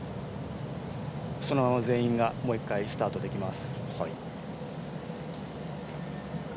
そのまま全員がもう１回スタートできます。